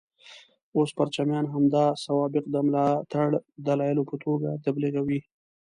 اوس پرچمیان همدا سوابق د ملاتړ دلایلو په توګه تبلیغوي.